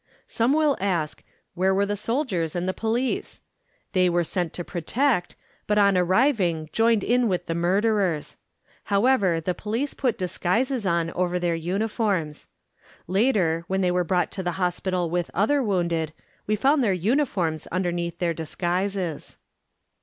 Some will ask where were the soldiers and the police? They were sent to protect, but on arriving, joined in with the murderers. However, the police put disguises on over their uniforms. Later, when they were brought to the hospital with other wounded, we found their uniforms underneath their disguises.